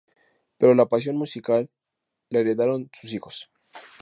Pero la pasión musical la heredaron sus hijos.